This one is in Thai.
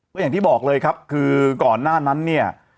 ก็อย่างที่บอกเลยครับคือก่อนหน้านั้นเนี่ย